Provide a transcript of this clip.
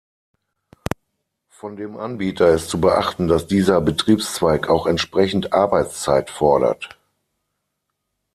Von den Anbieter ist zu beachten, dass dieser Betriebszweig auch entsprechend Arbeitszeit fordert.